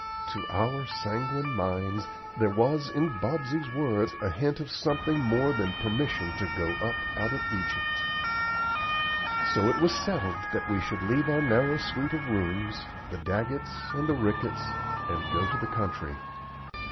To our sanguine minds there was in Bobsey's words a hint of something more than permission to go up out of Egypt. So it was settled that we should leave our narrow suite of rooms, the Daggetts and the Ricketts, and go to the country.